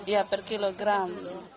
ya per kilogram